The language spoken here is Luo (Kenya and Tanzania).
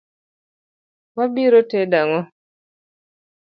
Wa biro tedo ang'o?